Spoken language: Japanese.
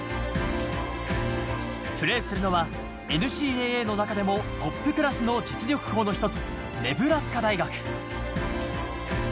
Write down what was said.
プレーするのはＮＣＡＡの中でもトップクラスの実力校の一つ、ネブラスカ大学。